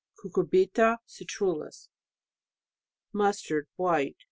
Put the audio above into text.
. Cucurbita oitrullus. Mustard, white